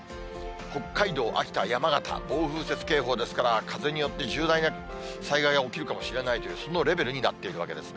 北海道、秋田、山形、暴風雪警報ですから、風によって重大な災害が起きるかもしれないという、そのレベルになっているわけですね。